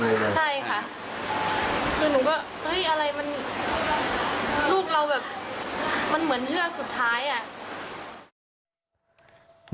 ใช่ค่ะคือหนูก็เฮ้ยอะไรมันลูกเราแบบมันเหมือนเฮือกสุดท้ายอ่ะ